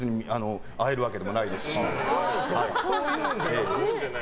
会えるわけでもないですし。